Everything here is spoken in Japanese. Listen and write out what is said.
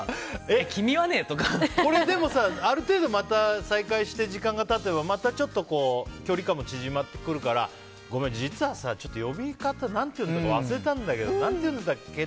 でもさ、ある程度、また再会して時間が経てばまたちょっと距離感も縮まってくるからごめん、実はさちょっと呼び方何て呼んでたか忘れたんだけど何て呼んでたっけ？